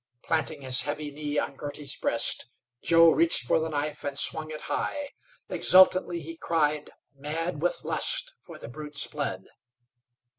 Planting his heavy knee on Girty's breast, Joe reached for the knife, and swung it high. Exultantly he cried, mad with lust for the brute's blood.